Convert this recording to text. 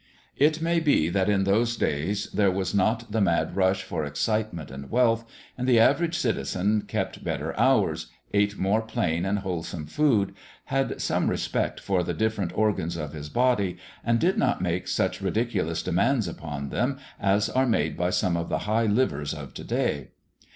It may be that in those days there was not the mad rush for excitement and wealth, and the average citizen kept better hours, ate more plain and wholesome food, had some respect for the different organs of his body, and did not make such ridiculous demands upon them as are made by some of the high livers of to day.